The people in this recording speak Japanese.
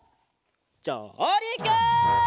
じょうりく！